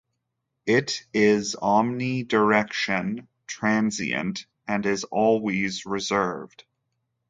It is omnidirection, transient and is always reserved.